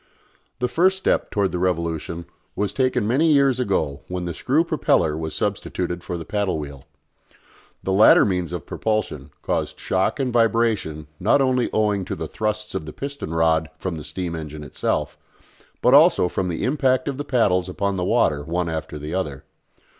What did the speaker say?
The first step towards the revolution was taken many years ago when the screw propeller was substituted for the paddle wheel. The latter means of propulsion caused shock and vibration not only owing to the thrusts of the piston rod from the steam engine itself, but also from the impact of the paddles upon the water one after the other.